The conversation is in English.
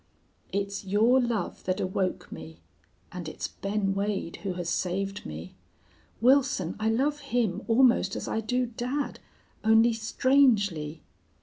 "It's your love that awoke me, and it's Ben Wade who has saved me. Wilson, I love him almost as I do dad, only strangely.